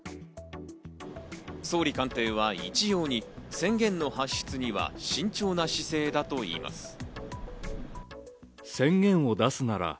総理官邸は一様に宣言の発出には慎重な姿勢だといいます。